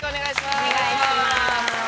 お願いします。